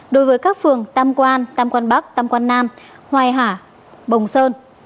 đối với các phường tam quan tam quan bắc tam quan nam hoài hà bồng sơn